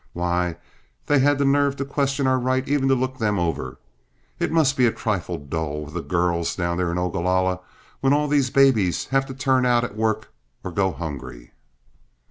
Why, they had the nerve to question our right even to look them over. It must be a trifle dull with the GIRLS down there in Ogalalla when all these 'babies' have to turn out at work or go hungry."